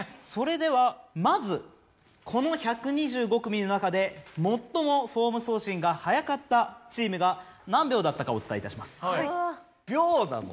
それではまずこの１２５組の中で最もフォーム送信が早かったチームが何秒だったかお伝えいたします。